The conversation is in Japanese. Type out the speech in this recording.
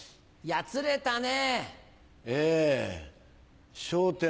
やつれたね。